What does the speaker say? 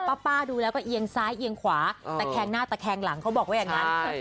ป้าดูแล้วก็เอียงซ้ายเอียงขวาตะแคงหน้าตะแคงหลังเขาบอกว่าอย่างนั้น